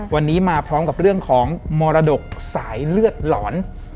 วันนี้มาพร้อมกับเรื่องของมรดกสายเลือดหลอน